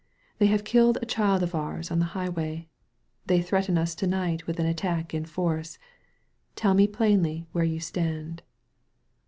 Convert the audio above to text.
They have killed a child of ours on the high way. They threaten us to night with an attack in force. Tell me plainly where you stand.".